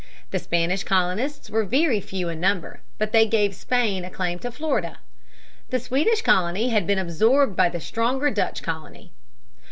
The Spanish colonists were very few in number, but they gave Spain a claim to Florida. The Swedish colony had been absorbed by the stronger Dutch colony.